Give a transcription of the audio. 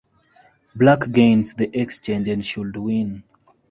Black gains the exchange, and should win.